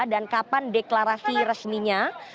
dan kapan deklarasi resminya